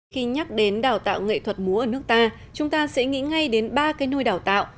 khi nhắc đến đào tạo nghệ thuật múa ở nước ta chúng ta sẽ nghĩ ngay đến ba cái nôi đào tạo